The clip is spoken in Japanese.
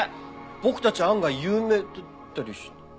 僕たち案外有名だったりして。